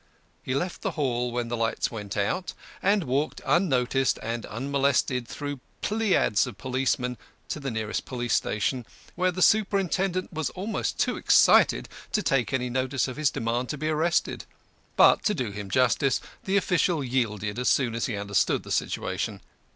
He left the hall when the lights went out, and walked unnoticed and unmolested through pleiads of policemen to the nearest police station, where the superintendent was almost too excited to take any notice of his demand to be arrested. But to do him justice, the official yielded as soon as he understood the situation.